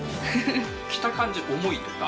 着た感じ、重いとか？